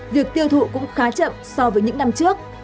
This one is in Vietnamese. việc tiêu thụ cũng khá chậm so với những năm trước